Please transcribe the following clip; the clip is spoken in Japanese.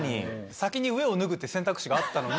先に上を脱ぐっていう選択肢があったのに。